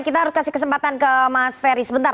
kita harus kasih kesempatan ke mas ferry sebentar